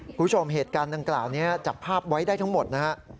คุณผู้ชมเหตุการณ์ดังกล่าวนี้จับภาพไว้ได้ทั้งหมดนะฮะ